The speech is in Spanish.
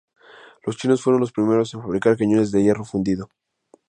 Los chinos fueron los primeros en fabricar cañones de hierro fundido.